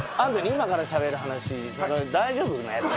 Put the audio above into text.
今からしゃべる話それは大丈夫なやつか？